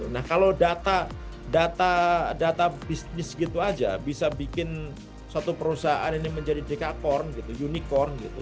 nah kalau data bisnis gitu aja bisa bikin suatu perusahaan ini menjadi dekakorn gitu unicorn gitu